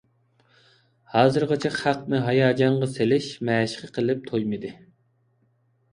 ھازىرغىچە خەقنى ھاياجانغا سېلىش مەشىقى قىلىپ تويمىدى.